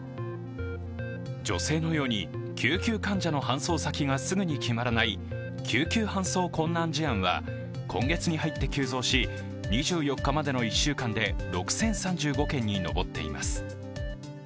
女性のように救急患者の搬送先がすぐに決まらない救急搬送困難事案は今月に入って急増し、２４日までの１週間で６０３５件に上っています。